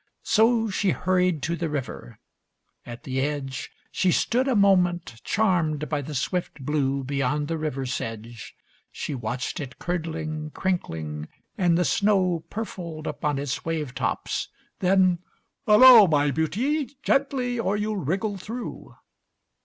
So She hurried to the river. At the edge She stood a moment charmed by the swift blue Beyond the river sedge. She watched it curdling, crinkling, and the snow Purfled upon its wave tops. Then, "Hullo, My Beauty, gently, or you'll wriggle through."